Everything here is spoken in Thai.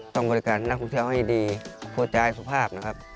ต้องบริการนักท่องเที่ยวให้ดีเข้าใจสุภาพนะครับ